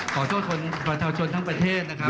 ขอโทษประชาชนทั้งประเทศนะครับ